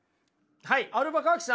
アルバカーキさん。